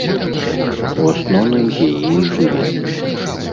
У асноўным з яе і жыве.